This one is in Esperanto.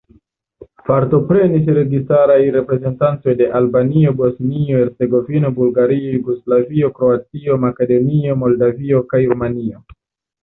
Partoprenis registaraj reprezentantoj de Albanio, Bosnio-Hercegovino, Bulgario, Jugoslavio, Kroatio, Makedonio, Moldavio kaj Rumanio.